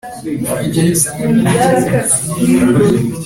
kuva aho abiboneye Iyo Ubuyobozi bumaze